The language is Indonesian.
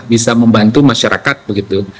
bisa membantu masyarakat begitu